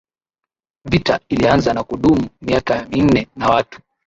Vita ilianza na kudumu miaka minne na watu